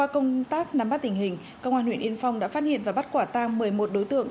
công tác nắm bắt tình hình công an huyện yên phong đã phát hiện và bắt quả tang một mươi một đối tượng